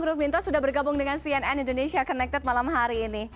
prof winto sudah bergabung dengan cnn indonesia connected malam hari ini